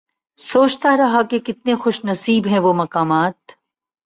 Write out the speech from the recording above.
سوچتا رہا کہ کتنے خوش نصیب ہیں وہ مقامات